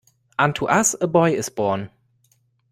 Unto us a boy is born.